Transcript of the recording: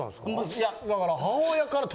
いやだから。